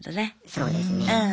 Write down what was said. そうですね。